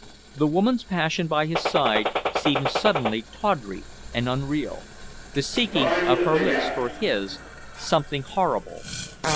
The woman's passion by his side seemed suddenly tawdry and unreal, the seeking of her lips for his something horrible.